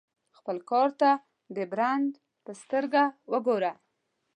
خپل کار ته د برانډ په سترګه وګوره.